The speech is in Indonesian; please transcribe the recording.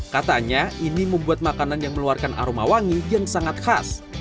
katanya ini membuat makanan yang meluarkan aroma wangi yang sangat khas